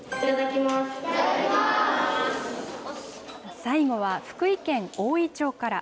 最後は、福井県おおい町から。